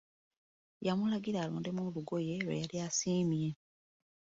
Yamulagira alondemu olugoye lwe yali asiimye.